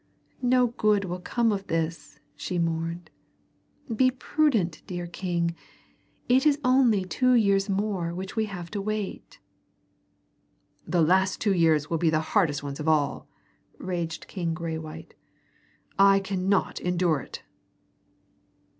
"No good will come of this," she mourned. "Be prudent, dear king. It is only two years more which we have to wait." "The last two years will be the hardest ones of all!" raged King Graywhite. "I cannot endure it!"